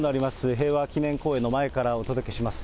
平和記念公園の前からお届けします。